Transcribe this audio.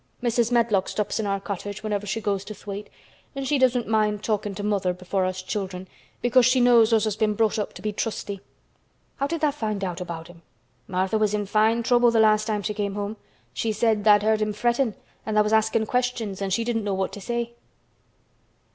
Mrs. Medlock stops in our cottage whenever she goes to Thwaite an' she doesn't mind talkin' to mother before us children, because she knows us has been brought up to be trusty. How did tha' find out about him? Martha was in fine trouble th' last time she came home. She said tha'd heard him frettin' an' tha' was askin' questions an' she didn't know what to say."